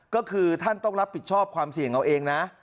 ก็คือท่านต้องรับผิดชอบความเสี่ยงเอาเองนะ